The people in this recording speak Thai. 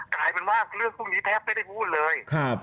กลายเป็นว่าเรื่องพวกนี้แทบไม่ได้พูดเลย